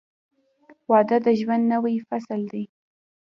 • واده د ژوند نوی فصل دی.